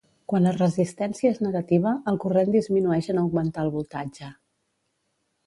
Quan la resistència és negativa, el corrent disminueix en augmentar el voltatge.